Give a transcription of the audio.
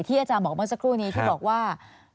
ที่อาจารย์บอกบ้างสักครู่นี้ที่บอกว่า